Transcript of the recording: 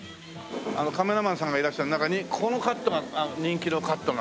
カメラマンさんがいらっしゃる中にこのカットが人気のカットなんてなんかあります？